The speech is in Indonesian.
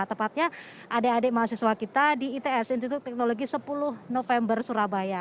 tepatnya adik adik mahasiswa kita di its institut teknologi sepuluh november surabaya